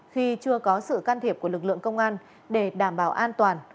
khi chưa có sự can thiệp của lực lượng công an để đảm bảo an toàn